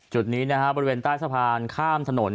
จุดนี้นะฮะบริเวณใต้สะพานข้ามถนน